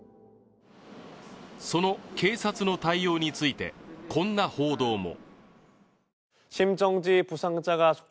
その警察の対応について、こんな報道も。